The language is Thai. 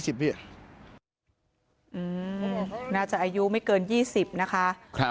น่าจะอายุไม่เกิน๒๐นะคะ